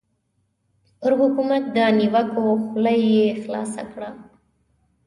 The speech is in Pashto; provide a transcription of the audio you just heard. پر حکومت د نیوکو خوله یې خلاصه کړه.